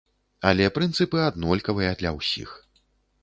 Але прынцыпы аднолькавыя для ўсіх.